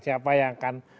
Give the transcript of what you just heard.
siapa yang harus diperbaiki